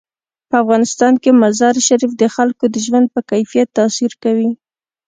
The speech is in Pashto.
په افغانستان کې مزارشریف د خلکو د ژوند په کیفیت تاثیر کوي.